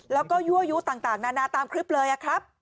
แล้วก็ยั่วยุต่างนานาตามคลิปเลยครับ